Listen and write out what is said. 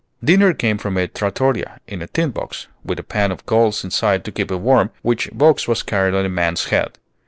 Dinner came from a trattoria, in a tin box, with a pan of coals inside to keep it warm, which box was carried on a man's head.